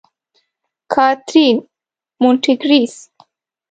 کاترین: مونټریکس.